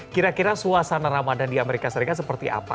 kira kira suasana ramadan di amerika serikat seperti apa